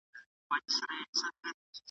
نه به کاڼی پوست سي، نه به غلیم دوست سي